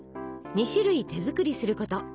２種類手作りすること。